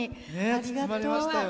ありがとう。